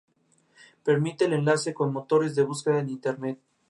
Permite el enlace con motores de búsqueda en Internet.